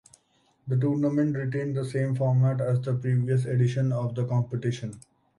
The tournament retained the same format as the previous edition of the competition.